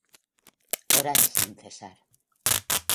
Orad sin cesar.